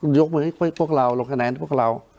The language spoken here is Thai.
หยุดมือให้พวกเราลงคะแนนพวกเรา